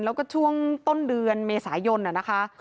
แล้วก็ช่วงต้นเดือนเมษายนนะคะ